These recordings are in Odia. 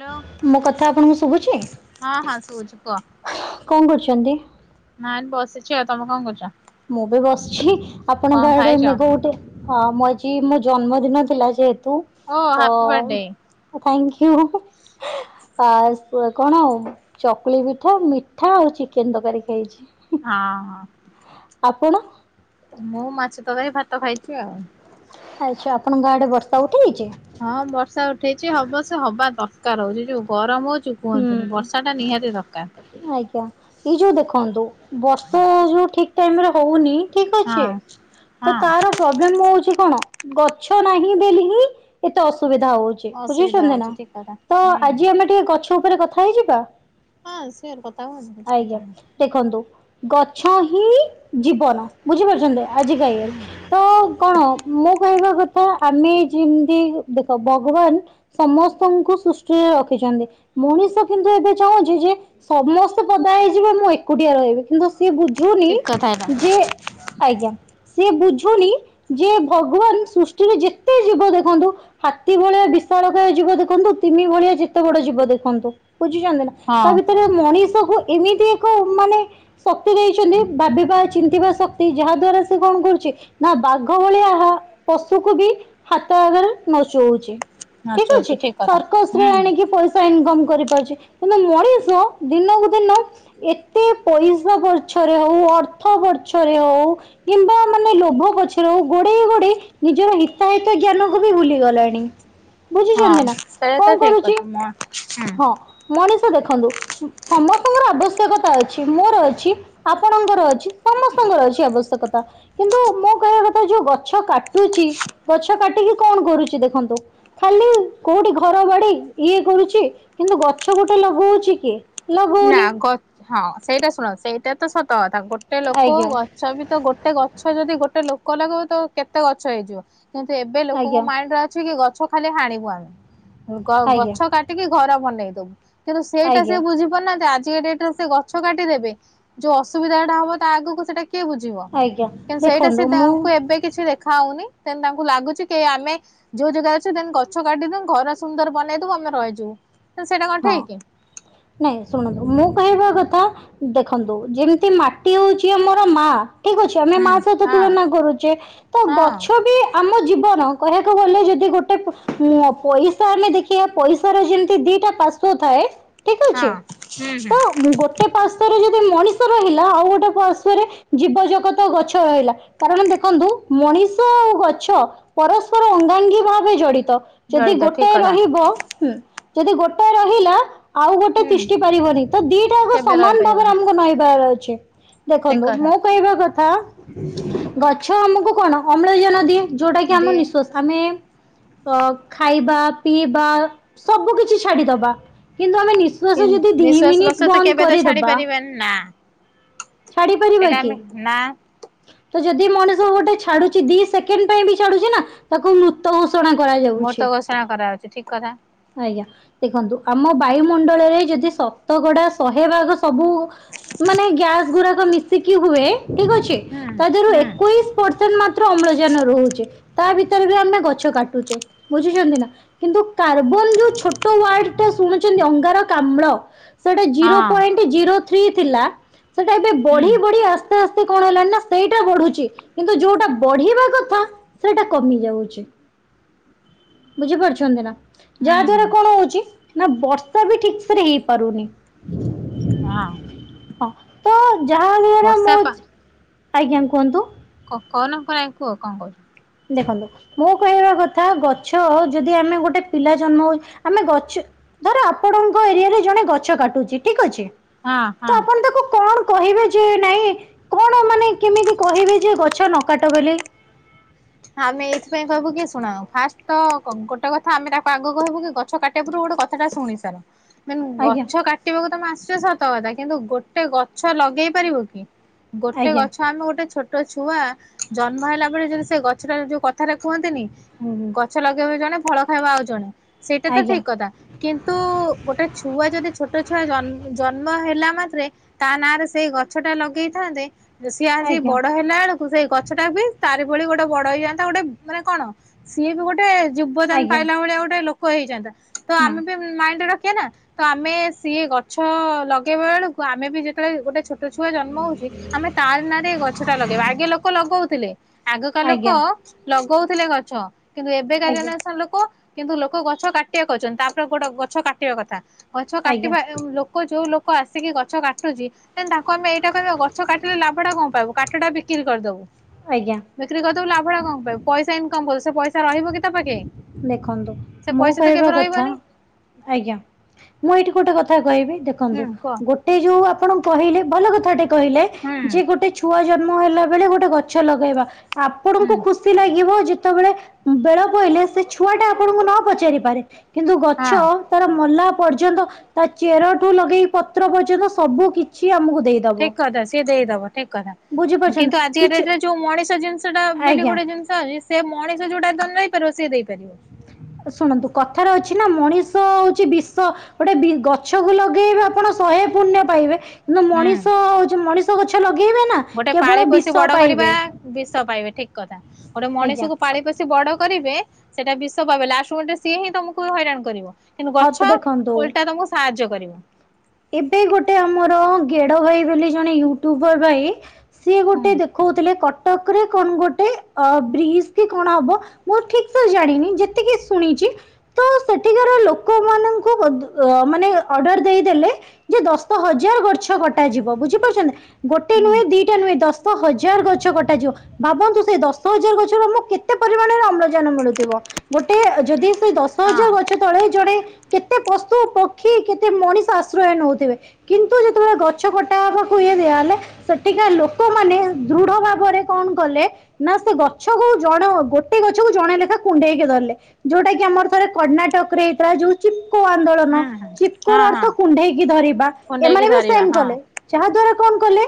ହ୍ୟାଲୋ ମୋ କଥା ଆପଣଙ୍କୁ ଶୁଭୁଛି? ହଁ ହଁ ଶୁଭୁଛି କୁହ କଣ କରୁଛନ୍ତି? ନାଇଁ ବସିଛି ଆଉ। ତମେ କଣ କରୁଛ? ମୁଁ ବି ବସିଛି। କଣ ଆପଣଙ୍କ ଗାଡେ ଖାଇଛ ମେଘ ଗୁଟେ ହଁ ମୋ ଆଜି ମୋ ଜନ୍ମଦିନ ଥିଲା ଯେହେତୁ ଓ ତ ହାପି ବାର୍ଥଡେ ଥାଇଙ୍କି ୟୁ [unintelligible] କଣ ଆଉ? ଚକୁଳି ପିଠା ମିଠା ଆଉ ଚିକେନ୍ ତରକାରୀ ଖାଇଛି। ହଁ ହଁ। ଆପଣ? ମୁଁ ମାଛ ତରକାରୀ ଭାତ ଖାଇଛି ଆଉ। ଆଚ୍ଛା ଆପଣଙ୍କ ଆଡେ ବର୍ଷା ଉଠେଇଛି? ହଁ ବର୍ଷା ଉଠେଇଛି। ହବ ସେ ହବା ଦରକାର ହଉଛି। ଯୋଉ ଗରମ ହଉଚୁ କୁହନ୍ତୁନି ବର୍ଷା ହୁଁ ଟା ନିହାତି ଦରକାର। ଆଜ୍ଞା ଏ ଯୋଉ ଦେଖନ୍ତୁ ବର୍ଷା ଯୋଉ ଠିକ୍ ଟାଇମରେ ହୋଉନି। ଠିକ ଅଛି ହଁ ତ ହଁ ତାର ପ୍ରୋବ୍ଲେମ ହଉଛି କଣ ଗଛ ନାହିଁ ବେଲି ହିଁ ଏତେ ଅସୁବିଧା ହଉ ଅସୁବିଧା ବୁଝଛନ୍ତି ହଉଛି ନା ଠିକ କଥା ତ ହୁଁ ହୁଁ। ଆଜି ଆମେ ଟିକେ ଗଛ ଉପରେ କଥା ହେଇଯିବା। ହଁ ସିଓର କଥା ହୁଅନ୍ତୁ। କିଛି ଆଜ୍ଞା କଥା ନାହିଁ। ଦେଖନ୍ତୁ ଗଛ ହିଁ ଜୀବନ ବୁଝିପାରୁଛନ୍ତି ଆଜିକା ଇଏରେ। ହୁଁ। ତ କଣ ମୁଁ କହିବା କଥା ଆମେ ଯିମିତି ଦେଖ ଭଗବାନ ସମସ୍ତଙ୍କୁ ସୃଷ୍ଟିରେ ରଖିଛନ୍ତି। ମଣିଷ କିନ୍ତୁ ଏବେ ଚାହୁଁଛି ଯେ ସମସ୍ତେ ପଦା ହେଇଯିବେ ମୁଁ ଏକୁଟିଆ ରହିବି କିନ୍ତୁ ସେ ବୁଝୁନି ଠିକ କଥା ଏଇଟା ଯେ ଆଜ୍ଞା ସେ ବୁଝୁନି। ଯେ ଭଗବାନ ସୃଷ୍ଟିରେ ଯେତେ ଜୀବ ଦେଖନ୍ତୁ। ହାତୀ ଭଳିଆ ବିଶାଳ କାୟ ଯିବ ଦେଖନ୍ତୁ ତିନି ଭଳିଆ ଯେତେ ବଡ ଯିବ ଦେଖ ଦେଖନ୍ତୁ ବୁଝିଛନ୍ତି ନା ହଁ ତା ଭିତରେ ମଣିଷକୁ ଏମିତି ଏକ ମାନେ ଶକ୍ତି ଦେଇଛନ୍ତି ଭାବିବା ଚିନ୍ନ୍ତିିବା ଶକ୍ତି ଯାହାଦ୍ୱାରା ସେ କଣ କରୁଛି? ନା ବାଘ ଭଳିଆ ଏହା ପଶୁକୁ ବି ହାତ ଆଗରେ ନଚଉଛି। ନାଚ ଠିକ ହଉଛି ଅଛି କଥା ସର୍କସ ରେ ହୁଁ ହୁଁ। ଆଣିକି ପଇ ଇନକମ କରିପାରୁଛି କିନ୍ତୁ ମଣିଷ ଦିନକୁ ଦିନ ଏତେ ପଇସା ପଛରେ ହଉ ଅର୍ଥ ପଛରେ ହଉ କିମ୍ବା ମାନେ ଲୋଭ ପଛରେ ହଉ ଗୋଡେଇ ଗୋଡେଇ ନିଜର ହିତାହିତ ଜ୍ଞାନକୁ ବି ଭୁଲି ଗଲାଣି। ହଁ ବୁଝିଛନ୍ତି ନା ସେଇଟା କଣ ତ ଠିକ କରୁଛି କଥା ମ ହୁଁ। ହଁ ମଣିଷ ଦେଖନ୍ତୁ ସମସ୍ତଙ୍କର ଆବଶ୍ୟକତା ଅଛି ମୋର ଅଛି। ଆପଣଙ୍କର ଅଛି ସମସ୍ତଙ୍କର ଅଛି ଆବଶ୍ୟକତା? କିନ୍ତୁ ମୁଁ କହିବା କଥା ଯୋଉ ଗଛ କାଟୁଛି ଗଛ କାଟିକି କଣ କରୁଛି ଦେଖନ୍ତୁ? ଖାଲି କୋଉଠି ଘର ବାଡ଼ି। ଇଏ କରୁଛି କିନ୍ତୁ ଗଛ ଗୋଟେ ଲଗଉଛି କି ଲ ନା ଗଛ ହଁ ସେଇଟା ଶୁଣ ସେଇଟା ତ ସତ କଥା ଗୋଟେ ଲୋକ ଗ ଆଜ୍ଞା ଗଛ ବି ତ ଗୋଟେ ଗଛ ଯଦି ଗୋଟେ ଲୋକ ଲଗେଇବ ତ କେତେ ଗଛ ହେଇଯିବ। କିନ୍ତୁ ଏବେ ଲୋକଙ୍କ ଆଜ୍ଞା ମାଇଣ୍ଡରେ ଅଛି କି ଗଛ ଖାଲି ହାଣିବୁ ଆମେ ଆଜ୍ଞା ଗଛ କାଟି ଟିକେ ଘର ବନେଇଦବୁ କିନ୍ତୁ ସେଇଟା ସି ଆଜ୍ଞା ବୁଝି ଆଜିକା ଡେଟରେ ସେ ଗଛ କାଟିଦେବେ ଯୋଉ ଅସୁବିଧାଟା ହବ ତା ଆଗକୁ ସେଇଟା କିଏ ବୁଝିବ ଆଜ୍ଞା କିନ୍ତୁ ସେଇଟା ଦେଖନ୍ତୁ ସେ ମୁଁ ତାଙ୍କୁ ଏବେ କିଛି ଦେଖା ହଉନି। କି ତାଙ୍କୁ ଲାଗୁଛି କି ଆମେ ଯୋଉ ଜାଗା ଅଛି ଦେନ ଗଛ କାଟିି ଦବୁ ଘର ସୁନ୍ଦର ବନେଇ ଦବୁ ଆମେ ରହିଯିବୁ ସେଇଟା କଣ୍ ହଁ ଠିକ୍ କି? ନାଇଁ ଶୁଣନ୍ତୁ ମୁଁ କହିବା କଥା। ଦେଖନ୍ତୁ ଯେମିତି ମାଟି ହଉଛି ଆମର ମା। ଠିକ ଅଛ ଆମେ ହୁଁ ମା ସହି ତ ହଁ ତୁଳନା କରୁଛେ ତ ହଁ। ଗଛ ବି ଆମ ଜୀବନ କହିବାକୁ ଗଲେ ଯଦି ଗୋଟେ ପଇସା ଆମେ ଦେଖିବା ପଇସାର ଯେମିତି ଦିଟା ପାର୍ଶ୍ୱ ତ ଥାଏ ଠିକ ଅଛି ହଁ ହୁଁ ହୁଁ ତ ମୁ ଗୋଟେ ଗୋଟେ ପାର୍ଶ୍ୱରେ ଯଦି ମଣିଷ ରହିଲା ଆଉ ଗୋଟେ ପାର୍ଶରେ ଜୀବ ଜଗତ ଗଛ ରହିଲା। କାରଣ ଦେଖନ୍ତୁ ମଣିଷ ଆଉ ଗଛ ପରସ୍ପର ଅଙ୍ଗାଙ୍ଗୀ ଭାବେ ଜଡିତ। ଯଦି ଜଡିତ ଠିକ ଗୋଟାଏ କଥା ରହିବ ହୁଁ ଯଦି ଗୋଟାଏ ରହିଲା। ଆଉ ଗୋଟେ ହୁଁ ତିଷ୍ଠି ପାରିବନି ତ ଦିଟାକ କେବେ ସମାନ ଭାବରେ ରହିପାରିବନି ଆମକୁ ନହିବାର ଅଛି। ଠିକ ଦେଖନ୍ତୁ କଥା ମୁଁ କହିବା କଥା ଗଛ ଆମକୁ କଣ ଅମ୍ଳଜାନ ଦିଏ। ଯୋଉଟା କି ଆମ ଦିଏ ନିଃଶ୍ଵାସ ଆମେ ଅ ଖାଇବା ପିଇବା ସବୁ କିଛି ଛାଡିଦବା କିନ୍ତୁ ଆମେ ନିଶ୍ଵସ ଯଦି ଦି ନିଶ୍ୱାସ ମିନିଟ ପ୍ରଶ୍ୱାସ ବନ୍ଦ କେବେ ତ ଛାଡି କରିଦବା। ପାରିବାନି ନା? ଛାଡି ପାରିବା ସେଇଟା କି? ଆମେ ନା ତ ଯଦି ମଣିଷ ଗୋଟେ ଛାଡୁଛି ଦି ସେକେଣ୍ଡ ପାଇଁ ବି ଛାଡୁଛି ନା ତାକୁ ମୃ ତ୍ ଘୋଷଣା କରାଯା ମୃତ ଘୋଷଣା କରାଯାଉଛି ଠିକ କଥା। ଆଜ୍ଞା ଦେଖନ୍ତୁ ଆମ ବାୟୁମଣ୍ଡଳରେ ଯଦି ଶତକଡା ଶହେ ଭାଗ ସବୁ ମାନେ ଗ୍ୟାସ ଗୁଡାକ ମିଶିକି ହୁଏ ଠିକ ଅଛି। ହୁଁ ତା ଦେହରୁ ହୁଁ ଏକୋଇଶ୍ ପର୍ସେଣ୍ଟ ମାତ୍ର ଅମ୍ଳଜାନ ରହୁଛି। ତା ଭିତରେ ବି ଆମେ ଗଛ କାଟୁଛେ ବୁଝିଛନ୍ତି ନା। କିନ୍ତୁ କାର୍ବନ ଯୋଉ ଛୋଟ ୱାର୍ଡ ଟା ଶୁଣୁଛନ୍ତି ଅଙ୍ଗାରକାମ୍ଳ। ସେଟା ହଁ ଜିରୋ ପଏଣ୍ଟ ଜିରୋ ଥ୍ରୀ ଥିଲା। ସେଟା ଏବେ ହୁଁ ବଢି ବଢି ଆସ୍ତେ ଆସ୍ତେ କଣ ହେଲଣି ନା ସେଇଟା ବଢୁଛି କିନ୍ତୁ ଯୋଉଟା ବଢିବା କଥା ସେଇଟା କମି ଯାଉଛି। ବୁଝିପାରୁଛନ୍ତି ନା? ହୁଁ ଯାହା ହୁଁ ଦ୍ଵାରା କଣ ହଉଛି ନା ବର୍ଷା ବି ଠିକ୍ ସେ ରେ ହେଇପାରୁନି। ହଁ। ହଁ ତ ଯାହା [unintelligible] ବର୍ଷା ମୁଁ ଆଜ୍ଞା କୁହନ୍ତୁ। କ କହନ କରା କୁହ କଣ କହୁଛ। ଦେଖନ୍ତୁ ମୁଁ କହିବା କଥା ଗଛ ଯଦି ଆମେ ଗୋଟେ ପିଲା ଜନ୍ମ ହଉ ଆମେ ଗଛ ଧର ଆପଣଙ୍କ ଏରିଆ ରେ ଜଣେ ଗଛ କାଟୁଛି ଠିକ୍ ଅଛି। ହଁ ତ ହଁ ଆପଣ ତାକୁ କଣ କହିବେ ଯେ ନାଇଁ କଣ ମାନେ କେମିତି କହିବେ ଯେ ଗଛ ନ କାଟ ବୋଲି। ଆମେ ଏଇଥିପାଇଁ କହିବୁ କି ଶୁଣ ଫାଷ୍ଟ ତ ଗ ଗୋଟେ କଥା ଆମେ ତାକୁ ଆଗ କହୁ କି ଗଛ କାଟ ପୁରୁ ଗୋଟେ କଥାଟା ଶୁଣି ସାର। ଦେନ୍ ଆଜ୍ଞା ଗଛ କା କଟିବାକୁ ତମେ ଆସଛ ସତ କଥା। କିନ୍ତୁ ଗୋଟେ ଗଛ ଲଗେଇ ପାରିବ କି? ଗୋଟେ ଆଜ୍ଞା ଗଛ ଆମେ ଗୋଟେ ଛୋଟ ଛୁଆ ଜନ୍ମ ହେଲା ପରେ ଯଦି ସେ ଗ ଗଛଟା ଯୋଉ କଥାଟା କୁହନ୍ତିନି ଗଛ ଲଗେଇବ ଜଣେ ଫଳ ଖାଇବ ଆଉ ଜଣେ। ସେଇଟା ତ ଆଜ୍ଞା ଠିକ୍ କଥା। କିନ୍ତୁ ଗୋଟେ ଛୁଆ ଯଦି ଛୋଟ ଛୁଆ ଜନ ଜନ୍ମ ହେଲା ମାତ୍ରେ ତା ନାଁ ରେ ସେଇ ଗଛ ଟା ଲଗେଇଥାନ୍ତେ ସିଏ ଆଜି ଆଜ୍ଞା ବଡ ହେଲା ବେଳକୁ ସେଇ ଗଛଟା ବି ତାରି ଭଳି ଗୋଟେ ବଡ ହେଇଯାଆନ୍ତା ଗୋଟେ ମାନେ କଣ ସିଏ ବି ଗୋଟେ ଯୁବଦାନ ଆଜ୍ଞା ପାଇଲା ଭଳିଆ ଗୋଟେ ଲୋକ ହେଇଯାଆନ୍ତା। ତ ହୁଁ ଆମେ ବି ମାଇଣ୍ଡରେ ରଖିବା ନା। ତ ଆମେ ସିଏ ଗଛ ଲଗେଇବା ବେଳକୁ ଆମେ ବି ଯେତେବେଳେ ଗୋଟେ ଛୋ ଛୋଟ ଛୁଆ ଜନ୍ମ ହଉଛି ଆମେ ତାରି ନାଁରେ ଗଛ ଟା ଲଗେଇବା। ଆଗେ ଲୋକ ଲଗଉଥିଲେ ଆଗକା ଲୋ ଆଜ୍ଞା ଲଗଉଥିଲେ ଗଛ କିନ୍ତୁ ଏବେ କା ଆଜ୍ଞା ଜେନେରେସନ ଲୋକ କିନ୍ତୁ ଲୋକ ଗଛ କାଟିବା କରୁଛନ୍ତି। ତାପରେ ଗୋଟେ ଗଛ କାଟିବା କଥା। ଗଛ ଆଜ୍ଞା କାଟିବା ଏ ଉଁ ଲୋ କ ଯୋଉ ଲୋକ ଆସିକି ଗଛ କାଟୁଚି ଦେନ୍ ତାଙ୍କୁ ଆମେ ଏଇଟା କହିବା ଗଛ କାଟିଲେ ଲାଭ ଟା କଣ ପାଇବୁ କାଠ ଟା ବିକ୍ରି କରିଦବୁ। ଆଜ୍ଞା। ତୁ ଲାଭ ଟା କଣ ପାଇବୁ? ପଇସା ଇନକମ୍ କରିବୁ ସେ ପଇସା ରହିବ କି ତୋ ପାଖେ? ଦେଖନ୍ତୁ ସେ ମୁଁ ପଇସା ତ କହିବା କେବେ କଥା ରହିବନି। ଆଜ୍ଞା, ମୁଁ ଏଇଠି ଗୋଟେ କଥା କହିବି ହୁଁ ଦେଖନ୍ତୁ କୁହ ଗୋ ଟେ ଯୋଉ ଆପଣ କହିଲେ ଭଲ କଥାଟେ କହିଲେ। ହୁଁ ଯେ ଗୋଟେ ଛୁଆ ଜନ୍ମ ହେଲା ବେଳେ ଗୋଟେ ଗ ଛ ଲଗେଇବା। ହୁଁ ଆପଣଙ୍କୁ ଖୁସ୍ ଖୁସି ଲାଗିବ ଯେତେବେଳେ ବେଳ ପଇଲେ ସେ ଛୁଆ ଟା ଆପଣଙ୍କୁ ନ ପଚାରି ପାରେ। କିନ୍ତୁ ଗଛ ହଁ ତାର ମଲା ପର୍ଯ୍ୟନ୍ତ ତା ଚେରଠୁ ଲଗେଇ ପତ୍ର ପର୍ଯ୍ୟନ୍ତ ସବୁ କିଛି ଆମକୁ ଦେଇ ଠିକ୍ କଥା ସିଏ ଦେଇଦବ ଠିକ୍ କଥା। ବୁଝିପାରୁଛନ୍ତି କିନ୍ତୁ ଆଜି କା କିଛି ଡେଟ୍ ରେ ଯୋଉ ମଣିଷ ଜିନିଷ ଟା ବୋଲି ଆଜ୍ଞା। ଗୋଟେ ଜିନ ପାଇଁ ସେ ମଣିଷ ଯୋଉଟା ଦ ନେଇପାରିବ ସିଏ ଦେଇପାରିବ। ଶୁଣନ୍ତୁ କଥାରେ ଅଛି ନା ମଣିଷ ହଉଛି ବିଷ ଗୋଟେ ବି ଗଛକୁ ଲଗେଇବେ ଆପଣ ଶହେ ପୁଣ୍ୟ ପାଇବେ ହୁଁ। ମଣିଷ ଯୋଉ ମଣିଷ ଗଛ ଲଗେଇବେ ନା ଗୋଟେ ପାଳି କେବଳ ପୋଷି ବିଷ ବଡ କରିବା, ପାଇବେ ବିଷ ପାଇବେ ଠିକ୍ କଥା ଗୋଟେ ଆଜ୍ଞା ମଣିଷକୁ, ପାଳି ପୋଷି ବଡ କରିବେ, ସେଇଟା ବିଷ ପାଇବେ ଲାଷ୍ଟ ମୁମେଣ୍ଟ ସିଏ ହିଁ ତମକୁ ହଇରାଣ କରିବ। କିନ୍ତୁ ହଁ ତ ଗଛ ଦେଖନ୍ତୁ ଓଲଟା ତମକୁ ସାହାଯ୍ୟ କରିବ। ଏବେ ଗୋଟେ ଆମର ଗେଡ ଭାଇ ବୋଲି ଜଣେ ୟୁଟୁବର୍ ଭାଇ ସିଏ ହୁଁ ଗୋଟେ ଦେଖଉଥିଲେ କଟକ ରେ କଣ ଗୋଟେ ଅ ବ୍ରିଜ କି କଣ ହବ? ମୁଁ ଠିକ୍ ସେ ଜାଣିନି, ଯେତିକି ଶୁଣିଛି। ତ ସେଠିକାର ଲୋକମାନଙ୍କୁ ବୋଧେ ଅ ମାନେ ଅର୍ଡ଼ର ଦେଇଦେଲେ ଯେ ଦଶ ହଜାର ଗଛ କଟା ଯିବ, ବୁଝିପାରୁଛନ୍ତି ଗୋଟେ ହୁଁ ନୁହେଁ ଦିଟା ନୁହେଁ ଦଶ ଦଶ ହଜାର ଗଛ କଟାଯିବ, ଭାବନ୍ତୁ ସେ ଦଶ ହଜାର ଗଛରୁ ଆମ କେତେ ପରିମାଣରେ ଅମ୍ଳ ଜାନ ମିଳୁଥିବ, ଗୋଟେ ଏ ଯଦି ସେଇ ଦଶ ହଁ ହଜାର ଗଛ ତଳେ ଜଣେ କେତେ ପଶୁ ପକ୍ଷୀ କେତେ ମଣିଷ ଆଶ୍ରୟ ନଉଥିବେ। କିନ୍ତୁ ଯେତେବେଳେ ଗଛ କଟା ହେବାକୁ ଇଏ ଦିଆହେଲେ। ସେଠିକା ଲୋକମାନେ ଦୃଢ ଭାବରେ କଣ କଲେ? ନା ସେ ଗଛ କୁ ଜଣେ ହଉ ଗୋଟେ ଗଛ କୁ ଜଣେ ଲେଖା କୁଣ୍ଢେଇକି ଧରିଲେ। ଯୋଉଟା କି ଆମର ଥରେ କର୍ଣ୍ଣାଟକ ରେ ହେଇଥିଲା ଯୋଉ ଚିପ୍କୋ ହୁଁ ଆନ୍ଦୋଳନ ହୁଁ ଚିପ୍କୋ ହଁ ର ହଁ ଅର୍ଥ କୁଣ୍ଢେଇକି ଧରିବା, କୁଣ୍ଡେଇକି ଏମାନେ ବି ଧରିବା ସେଇମ ହଁ କଲେ। ଯାହା ଦ୍ଵାରା କଣ କଲେ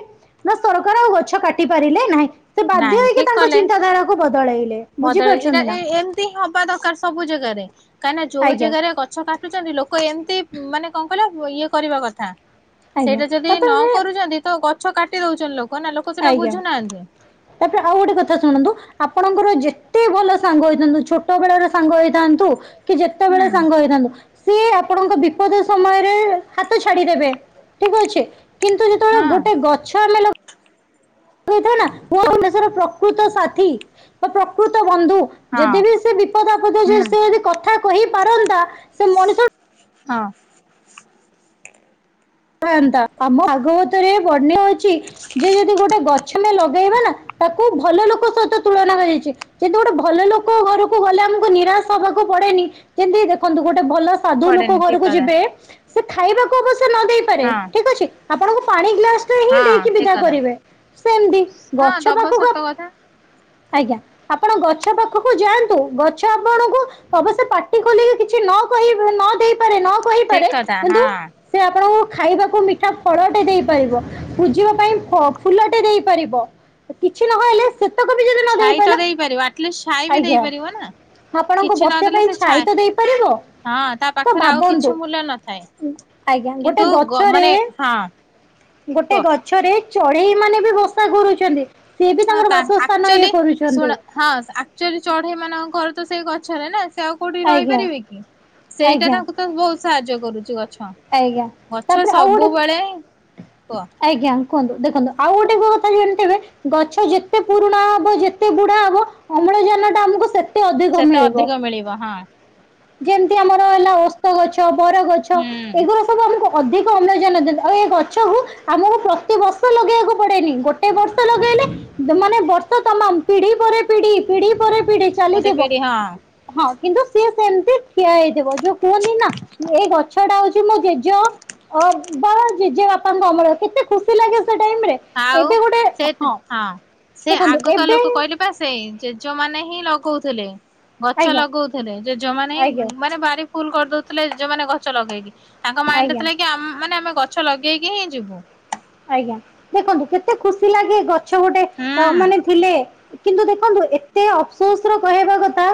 ନା ସରକାର ଆଉ ଗଛ କାଟି ପାରିଲେ ନାହିଁ। ସେ ବାଧ୍ୟ ନାଇଁ ହେଇକି ଠିକ୍ ତାଙ୍କ କଲେ, ଚିନ୍ତାଧାରାକୁ ବଦଳେଇଲେ ବଦଲେଇ ଏଇଟା ବୁଝିପାରୁଛନ୍ତି ନା ଏ ଏମିତି ହିଁ ହବା ଦରକାର ସବୁ ଜାଗାରେ। କାହିଁକି ନା ଯୋଉ ଆଜ୍ଞା ଜାଗାରେ ଗଛ କାଟୁଛନ୍ତି, ଲୋକ ଏମିତି ଉଁ ମାନେ କଣ କହିଲ ଇଏ କରିବା କଥା। ଆଜ୍ଞା ସେଇଟା ଯଦି ନ ତାପରେ କରୁଛନ୍ତି, ତ ଗଛ କାଟି ଦଉଛନ୍ତି ଲୋକ ନା ଲୋକ ସେଇଟା ଆଜ୍ଞା ବୁଝୁନାହାନ୍ତି। ତାପରେ ଆଉ ଗୋଟେ କଥା ଶୁଣନ୍ତୁ। ଆପଣଙ୍କର ଯେତେ ଭଲ ସାଙ୍ଗ ହେଇଥାନ୍ତୁ, ଛୋଟ ବେଳ ର ସାଙ୍ଗ ହେଇଥାନ୍ତୁ। କି ଯେତେବେଳେ ହୁଁ ସାଙ୍ଗ ହେଇଥାନ୍ତୁ। ସିଏ ଆପଣଙ୍କ ବିପଦ ସମୟରେ ହାତ ଛାଡିଦେବେ ଠିକ୍ ଅଛି। କିନ୍ତୁ, ଯେତେବେଳେ ହଁ ଗୋଟେ ଗଛ ଆମେଲ କହୁଥ ନା [unintelligible] ପ୍ରକୃତ ସାଥୀ ବା ପ୍ରକୃତ ବନ୍ଧୁ। ହଁ ଯଦି ବି ସେ ବିପଦ ଆପଦ ଯେ ହୁଁ ସେ ବି କଥା କହି ପାରନ୍ତା, ସେ ମଣିଷ ହଁ। ଥାନ୍ତା ଆମ ଭାଗବତ ରେ ବନ୍ୟ ଅଛି, ଯେ ଯଦି ଗୋଟେ ଗଛ ଛ ଲଗାଇବା ନା ତାକୁ ଭଲ ଲୋକ ସହିତ ତୁଳନା ହୋଇଚି। କିନ୍ତୁ, ଗୋଟେ ଭଲ ଲୋକ ଘରକୁ ଗଲେ ଆମକୁ ନିରାଶ ହବାକୁ ପଡେନି, ସେମିତି ଦେଖନ୍ତୁ ଗୋଟେ ଭଲ ସାଧୁ ଲୋକ ପଡେନି ଠିକ ଘରକୁ କଥା ଯିବେ, ସେ ଖାଇବାକୁ ଅବଶ୍ୟ ନ ଦେଇପାରେ ହଁ ଠିକ୍ ଅଛି ଆପଣଙ୍କୁ ପାଣି ଗ୍ଲାସ ସେ ହିଁ ହଁ ଦେଇକି ଠିକ ବିଦା କଥା କରିବେ, ସେମିତି ହଁ ଗଛ ଦବ ପାଖକୁ ସତ କଥା ଆଜ୍ଞା। ଆପଣ, ଗଛ ପାଖକୁ ଯାଆନ୍ତୁ ଗଛ ଆପଣଙ୍କୁ ଅବଶ୍ୟ ପାଟି ଖୋଲିକି କିଛି ନ କହି ନ ଦେଇପାରେ ନ ଠିକ କହିପାରେ, କଥା କିନ୍ତୁ ହଁ ସେ ଆପଣଙ୍କୁ ଖାଇବାକୁ ମିଠା ଫଳଟେ ଦେଇପାରିବ, ପୁଜିବା ପାଇଁ ଫ ଫୁଲଟେ ଦେଇପାରିବ। କିଛି ନହେଲେ ସେ ଛାଇ ତ ଦେଇପାରିବ, ଆଟଲିଷ୍ଟ ଛାଇ ବି ଆଜ୍ଞା ଦେଇପାରିବ ନା। ଆପଣଙ୍କୁ କିଛି ବସିବା ନଦେଲେ ପାଇଁ ସେ ଛାଇ ତ ଦେଇପାରିବ। ହଁ ତା ତ ପାଖରେ ଆଉ କିଛି ଭାବନ୍ତୁ, ମୂଲ୍ୟ ନଥାଏ ଆଜ୍ଞା ଗୋଟେ କିନ୍ତୁ ଗ ଛରେ, ମାନେ ହଁ ଗୋଟେ କୁହ ଗଛରେ ଚଢେଇ ମାନେ ବି ବସା କରୁଛନ୍ତି। ସିଏ ବି ହଁ ତାଙ୍କର ତା ବାସସ୍ଥାନ ଇଏ ଆକ୍ଚୁଆଲି ଶୁଣ କରୁଛନ୍ତି। ହଁ, ଆକ୍ଚ୍ୟୁଲି ଚଢେଇ ମାନଙ୍କର ଘର ତ ସେଇ ଗଛରେ ନା ସେ ଆଉ କୋଉଠି ଆଜ୍ଞା ରହିପାରିବେ କି? ସେଇଟା ଆଜ୍ଞା ତାଙ୍କୁ ତ ବହୁତ ସାହାଯ୍ୟ କରୁଛି ଗଛ। ଆଜ୍ଞା ଗଛ ତାପରେ ଆଉ ଗୋଟେ ସବୁବେଳେ କୁହ ଆଜ୍ଞା। କୁହନ୍ତୁ ଦେଖନ୍ତୁ ଆଉ ଗୋଟେ କୋଉ କଥା ଜାଣିଥିବେ ଗଛ ଯେତେ ପୁରୁଣା ହବ, ଯେତେ ବୁଢା ହବ ଅମ୍ଳଜାନ ଟା ଆମକୁ ସେ ଅଧିକ ସେତେ ମିଳିବ, ଅଧିକ ମିଳିବ ହଁ ଯେମିତି ଆମର ହେଲା ଓ ଗଛ, ବର ଗଛ। ହୁଁ ଏଗୁରା ସବୁ ଆମକୁ ଅଧିକ ଅମ୍ଳଜାନ ଦିଏ, ଆଉ ଏ ଗଛ କୁ ଆମକୁ ପ୍ରତି ବର୍ଷ ଲଗେଇବାକୁ ପଡେନି। ଗୋଟେ ଏ ବର୍ଷେ ଲଗେଇଲେ ମାନେ ବର୍ଷ ତମାମ ପିଢି ପରେ ପିଢି, ପିଢି ପରେ ପିଢି ଗୋଟେ ଚାଲିଥିବ। ପିଢି ହଁ ହଁ, କିନ୍ତୁ ସିଏ ସେମିତି ଠିଆ ହେଇଥିବ ଯୋଉ କୁହନ୍ତି ନା ଏଇ ଗଛ ଟା ହଉଛି ମୋ ଜେଜ ଅ ବା ଜେଜେ ବାପାଙ୍କ ଅମଳ। ର କେତେ ଖୁସି ଲାଗେ ସେ ଟାଇମରେ। ଆଉ, ସେ ହଁ, ସେ ଦେଖନ୍ତୁ ଆଗକା ଏବେ ଲୋକ କହିଲେ ଏପଟେ ସେଇ ଜେଜ ମାନେ ହିଁ ଲଗଉଥିଲେ। ଗଛ ଆଜ୍ଞା ଲଗଉଥିଲେ। ଜେଜମାନେ ଆଜ୍ଞା ହିଁ ମାନେ ବାଡ଼ି ଫୁଲ୍ କରିଦଉଥିଲେ, ଯୋଉମାନେ ଗଛ ଲଗେଇକି। ତାଙ୍କ ଆଜ୍ଞା ମାଇଣ୍ଡରେ ଥିଲା କି ମାନେ, ଆମେ ଗଛ ଲଗେଇକି ହିଁ ଯିବୁ। ଆଜ୍ଞା। ଦେଖନ୍ତୁ କେତେ ଖୁସି ଲାଗେ ଗଛ ଗୋଟେ ହୁଁ ଅ ମାନେ ଥିଲେ। କିନ୍ତୁ, ଦେଖନ୍ତୁ ଏତେ ଅପସୋସ୍ ର କହିବା କଥା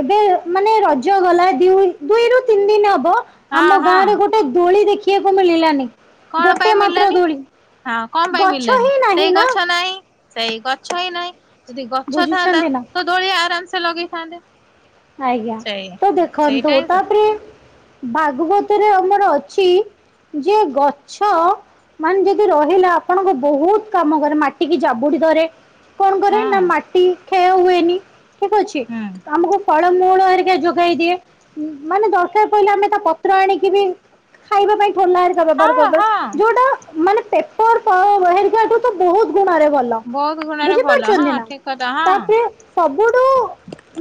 ଏବେ ମାନେ ରଜ ଗଲା ଦ୍ୟୁଇ -ଦୁଇରୁ ତିନି ଦିନ ହବ। ହଁ ଆମ ଗାଁ ହଁ। ରେ ଗୋଟେ ଦୋଳି ଦେଖିବାକୁ ମିଳିଲାନି, କଣ ପାଇଁ ଗୋଟେ ମାତ୍ର ମିଳିଲାନି ଦୋଳି। ହଁ, କଣ ପାଇଁ ଗଛ ମିଳିଲାନି। ହିଁ ନାହିଁ ସେଇ ନା ଗଛ ନାହିଁ। ସେଇ ଗଛ ହିଁ ନାହିଁ। ଯଦି ଗଛ ଥାନ୍ତା, ବୁଝୁଛନ୍ତି ନା ତ ଦୋଳି ଆରାମ ସେ ଲଗେଇଥାନ୍ତେ। ଆଜ୍ଞା। ସେଇ ତ ସେଇଟା ଦେଖନ୍ତୁ ହିଁ ସତ ତାପରେ, ଭାଗବତରେ ଆମର ଅଛି ଯିଏ ଗଛ ମାନେ ଯଦି ରହିଲା ଆପଣଙ୍କ ବହୁତ କାମ କରେ, ମାଟିିକି ଜାବୁଡି ଧରେ। କଣ କରେ ନା ହଁ। ମାଟି କ୍ଷୟ ହୁଏନି ଠିକ୍ ଅଛି ହୁଁ ତ ଆମକୁ ଫଳମୁଳ ହେରିକା ଯୋଗେଇ ଦିଏ ମାନେ ଦରକାର ପଇଲେ ଆମେ ତା ପତ୍ର ଆଣିକି ବି ଖାଇବା ପାଇଁ ଠୋଲାରେ ଗଛ ବ୍ୟବହାର ହଁ ହଁ କରି ଯୋଉଟା ମାନେ ପେପର ପ ହେରିକାଠୁ ତ ବହୁତ ଗୁଣରେ ଭଲ। ଲୋ ବହୁତ ଗୁଣରେ ଭଲ ହଁ ବୁଝିପାରୁଛନ୍ତି ନା। ଠିକ କଥା ହଁ। ତାପରେ, ସବୁଠୁ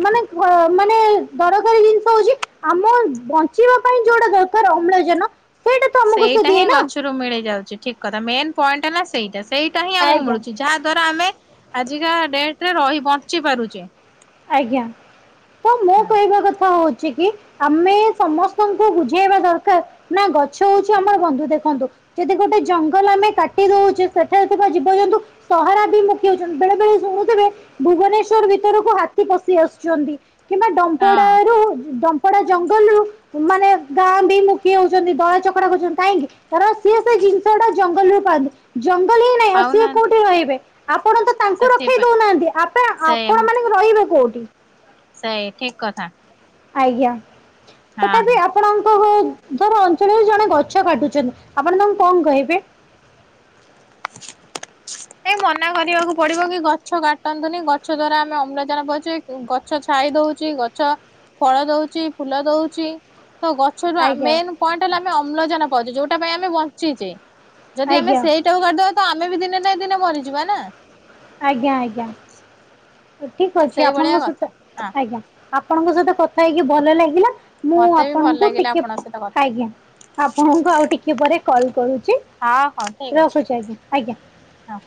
ମାନେ ମାନେ ଦରକାରୀ ଜିନିଷ ହଉଛି ଆମ ବଞ୍ଚିବା ପାଇଁ ଯୋଉଟା ଦରକର ଅମ୍ଳଜାନ ସେଇଟା ତ ଆମକୁ ସେ ସେଇଟା ହିଁ ଦିଏ ନା ଗଛରୁ ମିଳି ଯାଉଛି। ଠିକ କଥା ମେନ୍ ପଏଣ୍ଟ ହେ ନା ସେଇଟା। ସେଇଟା ହିଁ ଆମକୁ ଆଜ୍ଞା ମିଳୁଛି। ଯାହା ଦ୍ଵାରା ଆମେ ଆଜିକା ଡେଟ ରେ ରହି ବଞ୍ଚି ପାରୁଚେ। ଆଜ୍ଞା। ତ ମୋ କହିବା କଥା ହଉଛି କି ଆମେ ସମସ୍ତଙ୍କୁ ବୁଝେଇବା ଦରକାର। ନା ଗଛ ହଉଛି ଆମର ବନ୍ଧୁ ଦେଖନ୍ତୁ। ଯଦି ଗୋଟେ ଜଙ୍ଗଲ ଆମେ କାଟି ଦଉଛେ ସେଠାରେ ଥିବା ଜୀବ ଜନ୍ତୁ ସହରା ବିମୁଖୀ ହଉଛନ୍ତି, ବେଳେ -ବେଳେ ଶୁଣୁଥିବେ ଭୁବନେଶ୍ଵର ଭିତରକୁ ହାତୀ ତୀ ପସି ଆସୁଛନ୍ତି କିମ୍ବା ହଁ ଡମ୍ପଡାରୁ ଡମ୍ପଡା ଜଙ୍ଗଲରୁୁ ମାନେ ଗାଁ ବି ମୁଖି ହଉଛନ୍ତି ଦଳ ଚକଡା କରୁଛନ୍ତି। କାହିଁକି କାରଣ ସିଏ ସେ ଜିନିଷ ଗୁଡା ଜଙ୍ଗଲରୁ ପାନ୍ତି। ଜଙ୍ଗଲ ହିଁ ନାହିଁ, ଆଉ ସିଏ ପାଉନାହାନ୍ତି। କୋଉଠି ରହିବେ। ଆପଣ ତ ତାଙ୍କୁ ରଖେଇ ସେଥିପାଇଁ ଦଉନାହାନ୍ତି। ଆପ ସେ ଆପଣ ମାନେ ରହିବେ କୋଉଠି। ସେଇ ଠିକ କଥା। ଆଜ୍ଞା। ତଥାପି ହଁ। ଆପ- ଆପଣଙ୍କ ଧର ଅଞ୍ଚଳରେ ଜଣେ ଗଛ କାଟୁଛନ୍ତି। ଆପଣ ତାଙ୍କୁ କଣ କହିବେ? [inaudible] ଏଇ ମନା କରିବାକୁ ପଡିବ କି ଗଛ କାଟନ୍ତୁନି ଗଛ ଦ୍ଵାରା ଆମେ ଅମ୍ଳଜାନ ପାଉଛେ ଗଛ ଛାଇ ଦଉଛି ଗଛ ଫଳ ଦଉଛି ଫୁଲ ଦଉଛି ତ ଗଛ ଆଜ୍ଞା ମେନ ପଏଣ୍ଟ ହେଲା ଆମେ ଅମ୍ଳଜାନ ପାଉଛୁ ଯୋଉଟା ପାଇଁ ଆମେ ବଞ୍ଚିଚେ ଯଦି ଆମେ ଆଜ୍ଞା ସେଇ ଟା କୁ କାଟିଦେବା ତମ ଆମେ ବି ଦିନେ ନାଁ ଦିନେ ମରିଯିବା ନା ଆଜ୍ଞା ଆଜ୍ଞା ଠିକ ତ ଅଛି ସେଇଭଳିଆ ଆପଣଙ୍କ କଥା ସହିତ ହଁ। ଆଜ୍ଞା ଆପଣଙ୍କ ସହିତ କଥା ହେଇକି ଭଲ ଲାଗିଲା ମୁଁ ମତେ ବି ଭଲ ଆପଣଙ୍କୁ ଲାଗିଲା ଟିକେ ଆପଣଙ୍କ ସହିତ କଥା ହେଇ ଆଜ୍ଞା ଆପଣଙ୍କୁ ଆଉ ଟିକେ ପରେ କଲ କରୁଛି ହଁ ହଁ ଠିକ ଅଛି ରଖୁଛି ଆଜ୍ଞା ଆଜ୍ଞା ହଁ